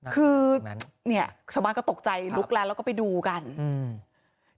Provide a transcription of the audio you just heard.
คือเนี่ยชาวบ้านก็ตกใจลุกแล้วแล้วก็ไปดูกันอืม